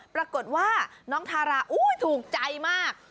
ปรากฏว่าน้องทาราถูกใจมาก